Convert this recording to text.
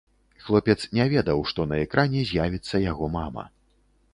Хлопец не ведаў, што на экране з'явіцца яго мама.